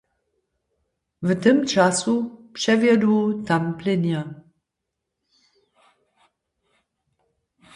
W tym času přewjedu tam pleinair.